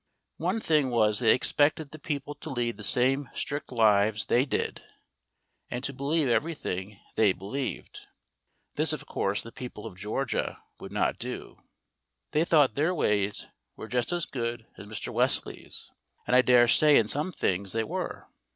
One thing was they expected the people to lead the same strict lives they did, and to believe everything they believed. This, of course, the people of Georgia would not do, they thought their ways were just as good as Mr. Wesley's, and I dare say in some things they were.